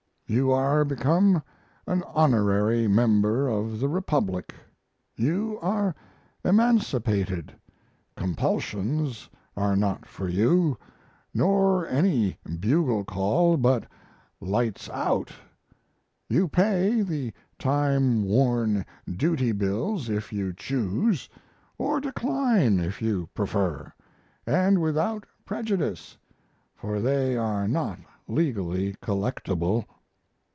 You are become an honorary member of the republic, you are emancipated, compulsions are not for you, nor any bugle call but "lights out." You pay the time worn duty bills if you choose, or decline if you prefer and without prejudice for they are not legally collectable.